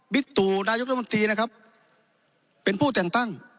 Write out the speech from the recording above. ตู่นายกรัฐมนตรีนะครับเป็นผู้แต่งตั้ง